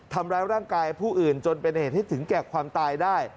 ทำร้ายร่างกายผู้อื่นจนเป็นเหตุให้ถึงแก่ความตายได้